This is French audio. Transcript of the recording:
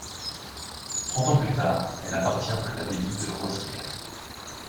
Trente ans plus tard, elle appartient à l'abbaye de Rosières.